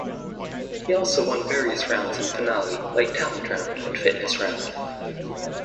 He also won various rounds in finale like talent round and fitness round.